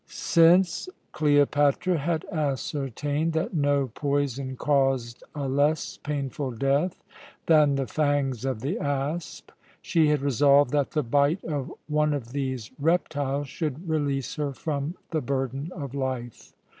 Since Cleopatra had ascertained that no poison caused a less painful death than the fangs of the asp, she had resolved that the bite of one of these reptiles should release her from the burden of life.